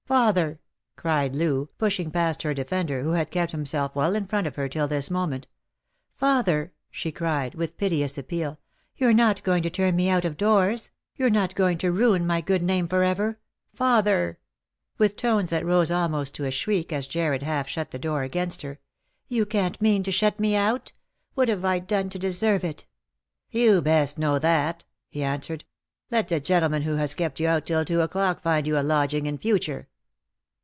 " Father !" cried Loo, pushing past her defender, who had kept himself well in front of her till this moment ;" father !" she cried, with piteous appeal, "you're not going to turn me out of doors ; you're not going to ruin my good name for ever ! Father !" with tones that rose almost to a shriek as Jarred half shut the door against her, " you can't mean to shut me out ! What have I done to deserve it ?"" You best know that," he answered. " Let the gentleman who has kept you out till two o'clock find you a lodging in future."